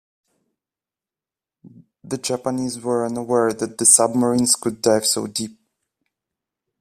The Japanese were unaware that the submarines could dive so deep.